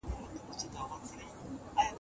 هغه ځوان چې ملي لباس یې اغوستی زما شاګرد دی.